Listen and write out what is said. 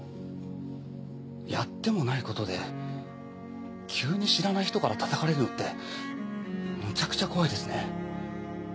やってもないことで急に知らない人からたたかれるのってめちゃくちゃ怖いですね。